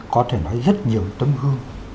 có thể nói rất nhiều tấm hương